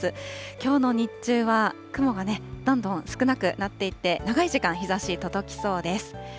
きょうの日中は、雲がね、どんどん少なくなっていって、長い時間、日ざし届きそうです。